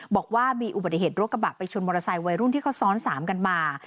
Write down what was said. บอกว่ามีอุบัติเหตุรถกระบะไปชนมอเตอร์ไซค์วัยรุ่นที่เขาซ้อน๓กันมา